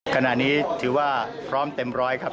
ขณะนี้ถือว่าพร้อมเต็มร้อยครับ